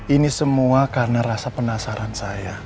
ini semua karena rasa penasaran saya